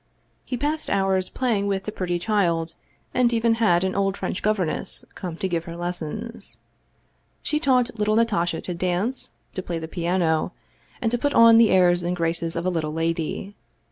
He passed hours playing with the pretty child, and even had an old French governess come to give her les sons. She taught little Natasha to dance, to play the piano, to put on the airs and graces of a little lady.